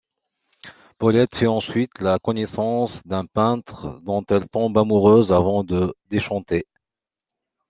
Paulette fait ensuite la connaissance d'un peintre dont elle tombe amoureuse avant de déchanter.